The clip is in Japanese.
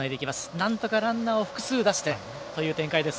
なんとかランナーを複数出してという展開です。